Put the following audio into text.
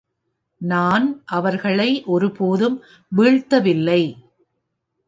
நான் அவர்களை ஒருபோதும் வீழ்த்தவில்லை.